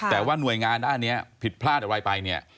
แต่ว่าหน่วยงานด้านนี้ผิดพลาดอะไรไปเนี่ย